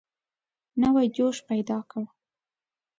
نوی جوش پیدا کړ.